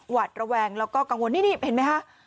หวาดระแวงแล้วก็กังวลนี่เห็นไหมคะ